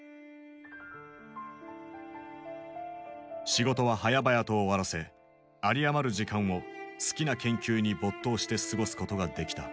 仕事ははやばやと終わらせ有り余る時間を好きな研究に没頭して過ごすことができた。